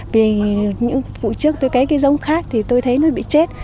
vì những vụ trước tôi cấy cái giống khác thì tôi thấy nó bị chết